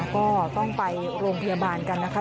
ก็ต้องไปโรงพยาบาลกันนะคะ